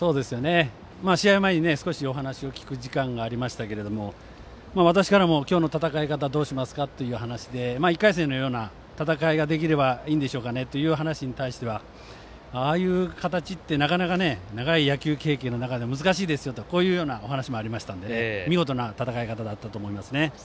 試合前に少しお話を聞く時間があったんですが１回戦のような戦いができればいいんでしょうかねという話に対してはああいう形って、なかなか長い野球経験の中でも難しいですよという話もあったので見事な戦い方だったと思います。